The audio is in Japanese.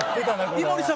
「井森さん